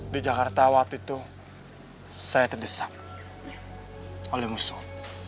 di jakarta waktu itu saya terdesak oleh musuh